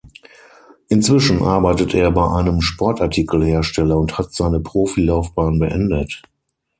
Inzwischen arbeitet er bei einem Sportartikelhersteller und hat seine Profilaufbahn beendet.